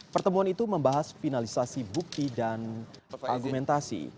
pertemuan itu membahas finalisasi bukti dan argumentasi